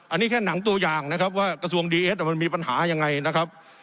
อันนี้แค่หนังตัวอย่างนะครับว่ากระทรวงดีเอสมันมีปัญหายังไงนะครับ